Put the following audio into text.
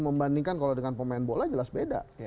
membandingkan kalau dengan pemain bola jelas beda